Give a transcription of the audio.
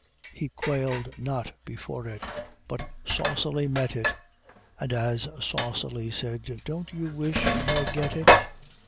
He quailed not before it, but saucily met it, And as saucily said, "Don't you wish you may get it?"